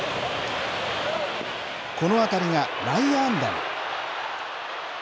この当たりが内野安打に。